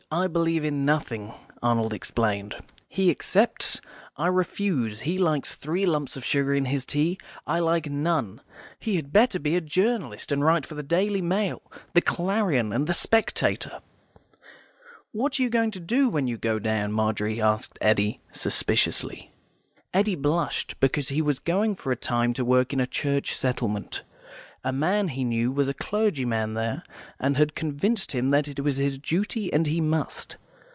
I believe in nothing," Arnold explained. "He accepts; I refuse. He likes three lumps of sugar in his tea; I like none. He had better be a journalist, and write for the Daily Mail, the Clarion, and the Spectator." "What are you going to do when you go down?" Margery asked Eddy, suspiciously. Eddy blushed, because he was going for a time to work in a Church settlement. A man he knew was a clergyman there, and had convinced him that it was his duty and he must.